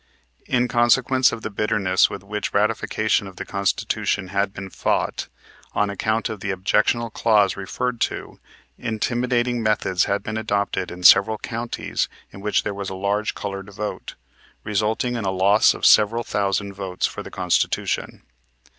In consequence of the bitterness with which the ratification of the Constitution had been fought, on account of the objectionable clause referred to, intimidating methods had been adopted in several counties in which there was a large colored vote, resulting in a loss of several thousand votes for the Constitution.